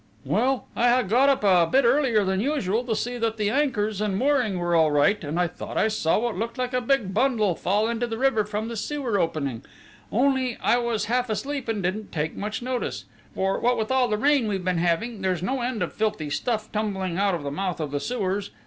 "Well, I had got up a bit earlier than usual to see that the anchors and mooring were all right, and I thought I saw what looked like a big bundle fall into the river from the sewer opening only I was half asleep and didn't take much notice; for, what with all the rain we've been having, there's no end of filthy stuff tumbling out of the mouth of the sewers.